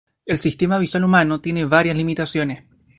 El sistema visual humano tiene varias limitaciones.